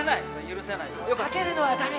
かけるのは駄目。